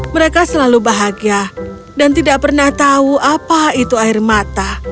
mereka selalu bahagia dan tidak pernah tahu apa itu air mata